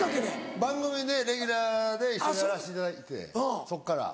番組でレギュラーで一緒にやらせていただいてそっから。